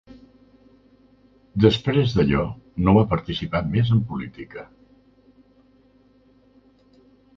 Després d'allò, no va participar més en política.